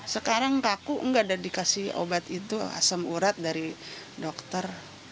sekarang kaku nggak ada dikasih obat itu asam urat dari dokter